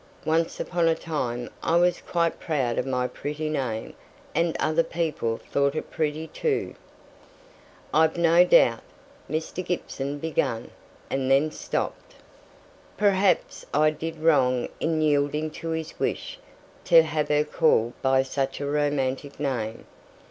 Once upon a time I was quite proud of my pretty name; and other people thought it pretty, too." "I've no doubt " Mr. Gibson began; and then stopped. "Perhaps I did wrong in yielding to his wish, to have her called by such a romantic name.